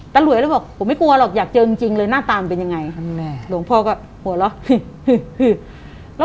หลวยเลยบอกผมไม่กลัวหรอกอยากเจอจริงเลยหน้าตาเป็นยังไงหลวงพ่อก็หัวเราะ